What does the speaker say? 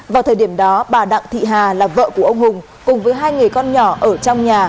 vào thời điểm đó bà đặng thị hà là vợ của ông hùng cùng với hai người con nhỏ ở trong nhà